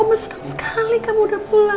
oma senang sekali sama kamu ya allah